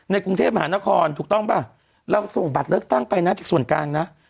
กรุงเทพมหานครถูกต้องป่ะเราส่งบัตรเลือกตั้งไปนะจากส่วนกลางนะ